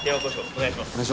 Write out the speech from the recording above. お願いします